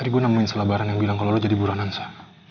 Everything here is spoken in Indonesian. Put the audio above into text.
tadi gue nemuin seorang barang yang bilang kalo lo jadi buruanan sa